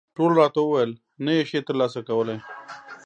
ټولو راته وویل، نه یې شې ترلاسه کولای.